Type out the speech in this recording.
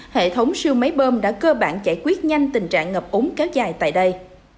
hệ thống siêu máy bơm đã cơ bản giải quyết nhanh tình trạng ngập úng kéo dài tại đây